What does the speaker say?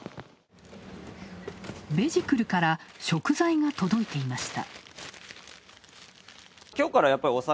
ベジクルから食材が届いていました。